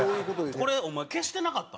これお前消してなかった？